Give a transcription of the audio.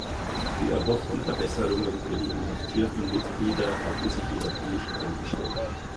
Die erhofften Verbesserungen für die inhaftierten Mitglieder hatten sich jedoch nicht eingestellt.